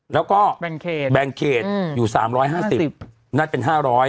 แล้วก็แบ่งเขตอยู่๓๕๐นั่นเป็น๕๐๐